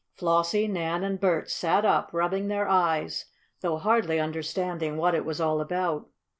Flossie, Nan and Bert sat up, rubbing their eyes, though hardly understanding what it was all about.